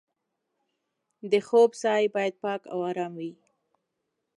د خوب ځای باید پاک او ارام وي.